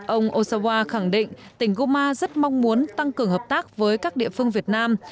ông osawa khẳng định tỉnh guma rất mong muốn tăng cường hợp tác với các địa phương việt nam